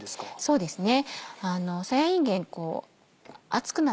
そうですね。